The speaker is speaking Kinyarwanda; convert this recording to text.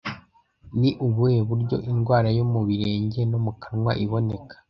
Ni ubuhe buryo 'Indwara yo mu birenge no mu kanwa' iboneka